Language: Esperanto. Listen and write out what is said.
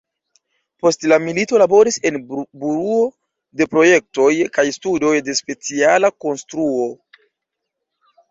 Post la milito laboris en Buroo de Projektoj kaj Studoj de Speciala Konstruo.